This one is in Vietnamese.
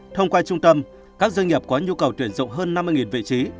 thông qua trung tâm các doanh nghiệp có nhu cầu tuyển dụng hơn năm mươi vị trí